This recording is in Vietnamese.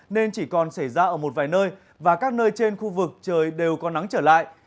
nên chỉ còn xảy ra ở một vài nơi và các nơi trên khu vực trời đều có nắng trở lại